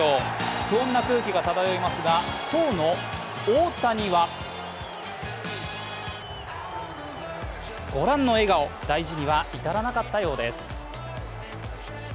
不穏な空気が漂いますが、当の大谷は御覧の笑顔、大事には至らなかったようです。